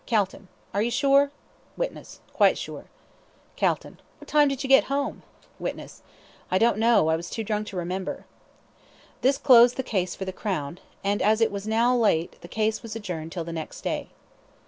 CALTON: Are you sure? WITNESS: Quite sure. CALTON: What time did you get home? WITNESS: I don't know; I was too drunk to remember. This closed the case for the Crown, and as it was now late the case was adjourned till the next day.